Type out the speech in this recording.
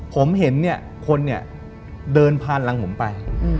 ผมเห็นคนเดินผ่านหลังผมไป